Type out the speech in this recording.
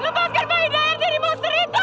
lepaskan bayi dalam dari monster itu